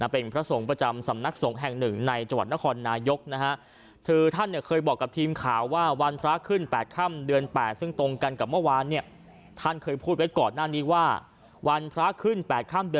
เป็นพระสงฆ์ประจำสำนักสงฆ์แห่งหนึ่งในจังหวัดนครนายกนะฮะ